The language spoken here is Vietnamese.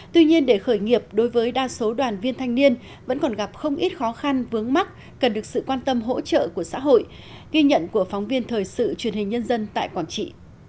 tuy nhiên để khởi nghiệp đối với đa số đoàn viên thanh niên vẫn còn gặp không ít khó khăn vướng mắt cần được sự quan tâm hỗ trợ của xã hội ghi nhận của phóng viên thời sự truyền hình nhân dân tại quảng trị